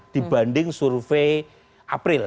dibanding survei april